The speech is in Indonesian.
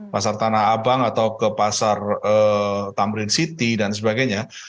pasar tanah abang atau ke pasar tamrin city dan sebagainya